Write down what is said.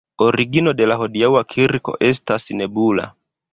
Origino de la hodiaŭa kirko estas nebula.